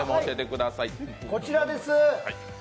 こちらです。